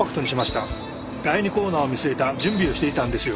第２コーナーを見据えた準備をしていたんですよ。